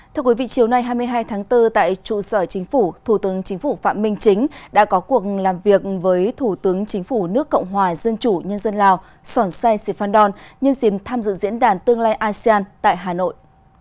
thưa quý vị chiều nay hai mươi hai tháng bốn tại trụ sở chính phủ thủ tướng chính phủ phạm minh chính đã có cuộc làm việc với thủ tướng chính phủ nước cộng hòa dân chủ nhân dân lào sòn sai sì phan đòn nhân dìm tham dự diễn đàn tương lai asean tại hà nội